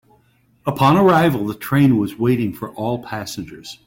Upon arrival, the train was waiting for all passengers.